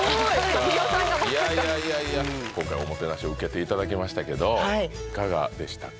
民代さんがまさか今回おもてなしを受けていただきましたけどいかがでしたか？